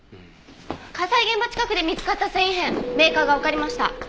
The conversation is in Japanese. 火災現場近くで見つかった繊維片メーカーがわかりました。